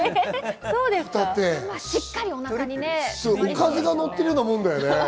おかずがのってるようなものだよね。